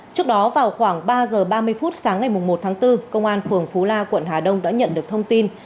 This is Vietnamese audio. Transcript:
trước đó vào khoảng ba h ba mươi phút sáng ngày một tháng bốn công an phường phú la quận hà đông đã nhận được thông tin